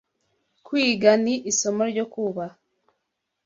kwiga ni isomo ryo kubaha